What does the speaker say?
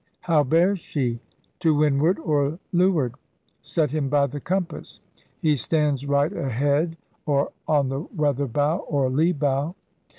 *How bears she? To wind ward or lee ward? Set him by the compass!' 'Hee stands right a head' {or On the weather bow, or lee bow).